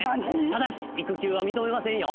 ただし育休は認めませんよ